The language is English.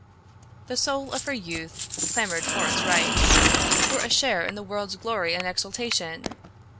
The soul of her youth clamored for its rights; for a share in the world's glory and exultation.